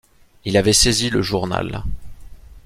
Il avait saisi le journal.